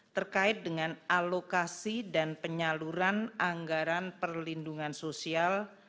terkait dengan alokasi dan penyaluran anggaran perlindungan sosial